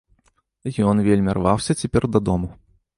Ён вельмі рваўся цяпер дадому.